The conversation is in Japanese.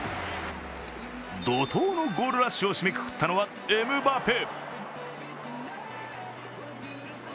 怒とうのゴールラッシュを締めくくったのはエムバペ。